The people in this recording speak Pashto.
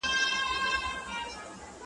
ښکاري زرکي ته اجل کړی کمین وو `